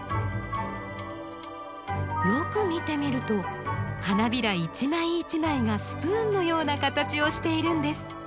よく見てみると花びら一枚一枚がスプーンのような形をしているんです。